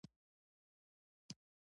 توپک خپګان زېږوي.